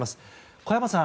小山さん